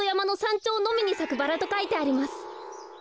ちょうのみにさくバラとかいてあります。